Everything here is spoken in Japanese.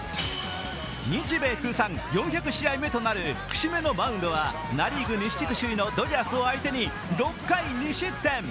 日米通算４００試合目となる節目のマウンドはナ・リーグ西地区首位のドジャースを相手に６回２失点。